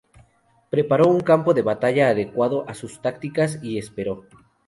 Preparó un campo de batalla adecuado a sus tácticas y esperó.